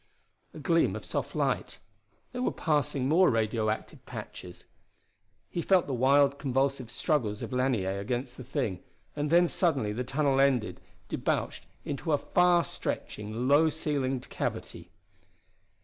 A gleam of soft light they were passing more radio active patches. He felt the wild convulsive struggles of Lanier against the thing; and then suddenly the tunnel ended, debouched into a far stretching, low ceilinged cavity.